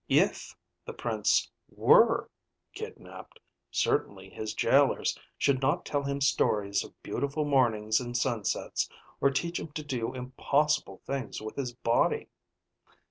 If the Prince were kidnaped, certainly his jailors should not tell him stories of beautiful mornings and sunsets, or teach him to do impossible things with his body.